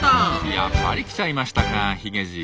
やっぱり来ちゃいましたかヒゲじい。